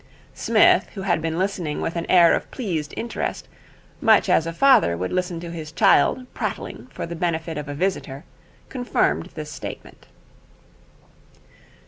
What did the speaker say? Psmith, who had been listening with an air of pleased interest, much as a father would listen to his child prattling for the benefit of a visitor, confirmed this statement.